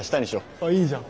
ああいいじゃん。